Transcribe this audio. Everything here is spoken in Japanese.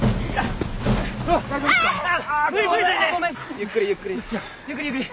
ゆっくりゆっくり。